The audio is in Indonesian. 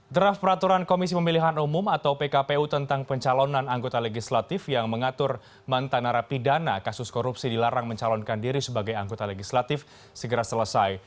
draft peraturan komisi pemilihan umum atau pkpu tentang pencalonan anggota legislatif yang mengatur mantan narapidana kasus korupsi dilarang mencalonkan diri sebagai anggota legislatif segera selesai